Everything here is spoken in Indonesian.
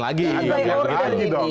jadi ada kasus lain